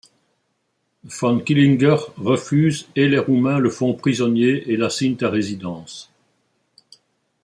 Von Killinger refuse et les Roumains le font prisonnier et l'assignent à résidence.